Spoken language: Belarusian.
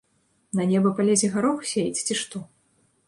На неба палезе гарох сеяць, ці што?